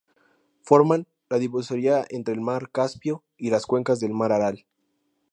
Forman la divisoria entre el mar Caspio y las cuencas del mar Aral.